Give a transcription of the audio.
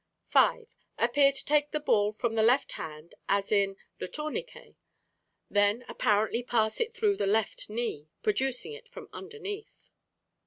5. Appear to take the ball from the left hand, as in "Le Tourniquet". Then apparently pass it through the left knee, producing it from underneath.